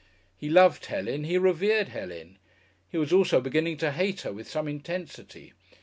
He loved Helen, he revered Helen. He was also beginning to hate her with some intensity.